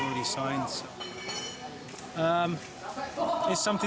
ini adalah sesuatu yang kita sedang mencari